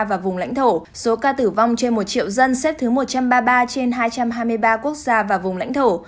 và vùng lãnh thổ số ca tử vong trên một triệu dân xếp thứ một trăm ba mươi ba trên hai trăm hai mươi ba quốc gia và vùng lãnh thổ